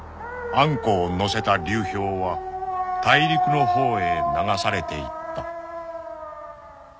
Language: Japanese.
［アンコを乗せた流氷は大陸のほうへ流されていった］